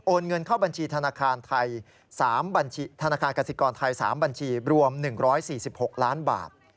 โอนเงินเข้าบัญชีธนาคารกสิกรไทย๓บัญชีรวม๑๔๖ล้านบาท